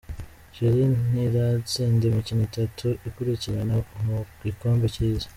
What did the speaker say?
Chili ntiratsinda imikino itatu ikurikirana umu gikombe cy’Isi.